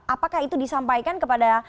apakah itu disampaikan kepada